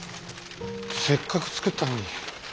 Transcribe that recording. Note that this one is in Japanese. せっかく作ったのに。